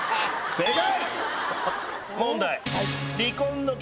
正解。